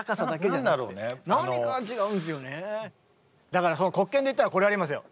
だから黒鍵でいったらこれありますよ。